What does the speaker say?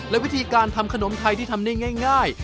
และวิธีการทำขนมไทยที่ทำได้ง่าย